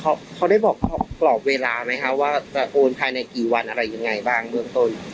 เขาได้บอกกรอบเวลาไหมคะว่าจะโอนภายในกี่วันอะไรยังไงบ้างเบื้องต้น